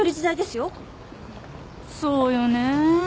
そうよねえ。